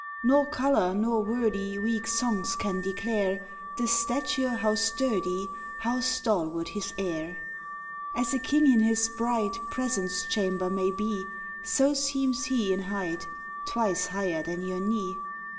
Nor colour nor wordy Weak song can declare The stature how sturdy, How stalwart his air. As a king in his bright Presence chamber may be, So seems he in height Twice higher than your knee.